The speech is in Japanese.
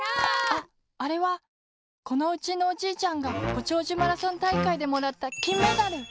ああれはこのうちのおじいちゃんがごちょうじゅマラソンたいかいでもらったきんメダル！